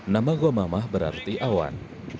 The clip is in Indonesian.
nama gomamah berarti awan